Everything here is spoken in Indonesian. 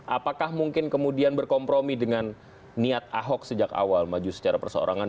apakah mungkin kemudian berkompromi dengan niat ahok sejak awal maju secara perseorangan